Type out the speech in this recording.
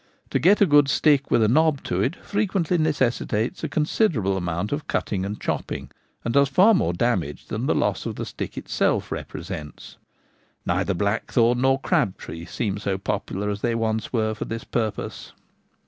To get a good stick with a knob to it frequently necessitates a considerable amount of cutting and chopping, and does far more damage than the loss of the stick itself represents. Neither blackthorn nor crabtree seem so popular as they once were for this purpose.